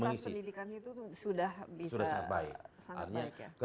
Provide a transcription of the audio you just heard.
jadi kualitas pendidikan itu sudah bisa sangat baik ya